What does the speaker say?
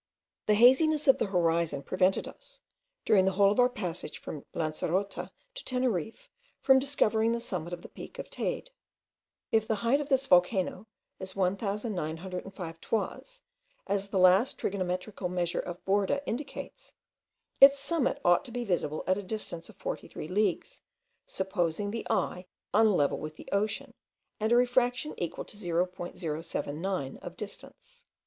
The haziness of the horizon prevented us, during the whole of our passage from Lancerota to Teneriffe, from discovering the summit of the peak of Teyde. If the height of this volcano is 1905 toises, as the last trigonometrical measure of Borda indicates, its summit ought to be visible at a distance of 43 leagues, supposing the eye on a level with the ocean, and a refraction equal to 0.079 of distance.